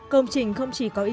công trình không chỉ có ý nghĩa